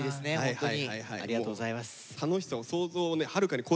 はい。